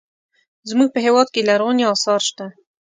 زموږ په هېواد کې لرغوني اثار شته.